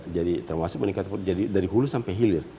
jadi termasuk meningkatkan dari hulus sampai hilir